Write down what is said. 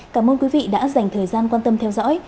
cảm ơn quý vị đã dành thời gian quan tâm theo dõi